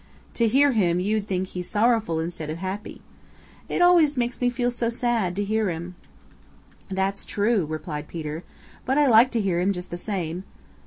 To hear him you'd think he was sorrowful instead of happy. It always makes me feel sad to hear him." "That's true," replied Peter, "but I like to hear him just the same.